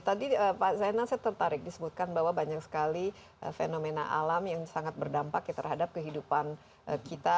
tadi saya nanti tertarik disebutkan bahwa banyak sekali fenomena alam yang sangat berdampak terhadap kehidupan kita